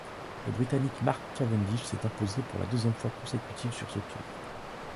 Le Britannique Mark Cavendish s'est imposé pour la deuxième fois consécutive sur ce Tour.